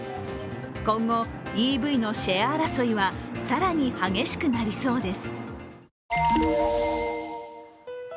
今後、ＥＶのシェア争いは更に激しくなりそうです。